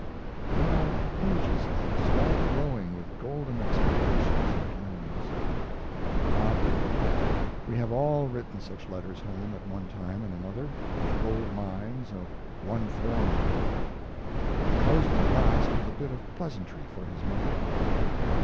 There are pages of this, all glowing with golden expectations and plans. Ah, well! we have all written such letters home at one time and another of gold mines of one form or another. He closes at last with a bit of pleasantry for his mother.